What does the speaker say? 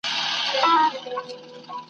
چي هر څه مي وي آرزو ناز مي چلیږي !.